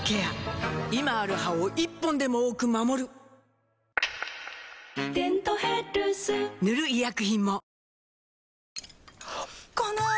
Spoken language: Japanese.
今ある歯を１本でも多く守る「デントヘルス」塗る医薬品も